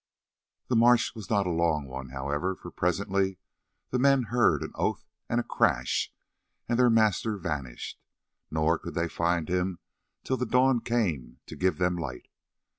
The march was not a long one, however, for presently the men heard an oath and a crash, and their master vanished; nor could they find him till the dawn came to give them light.